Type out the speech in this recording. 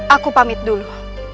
aku pamit dulu